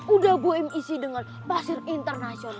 udah boem isi dengan pasir internasional